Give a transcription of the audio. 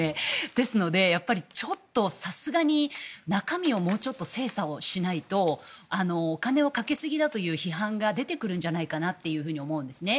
ですので、ちょっとさすがに中身をもうちょっと精査しないとお金をかけすぎだという批判が出てくるんじゃないかと思うんですね。